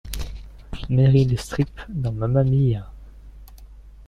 Meryl Streep dans Mamma Mia.